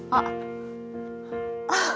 あっ。